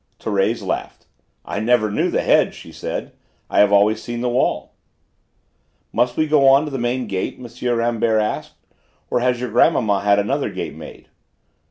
Thérèse laughed. "I never knew the hedge," she said. "I have always seen the wall." "Must we go on to the main gate?" M. Rambert asked, "or has your grandmamma had another gate made?"